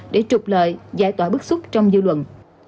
để trục lợi giải tỏa bức xúc trong dư luận